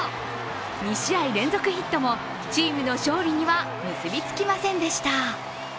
２試合連続ヒットもチームの勝利には結びつきませんでした。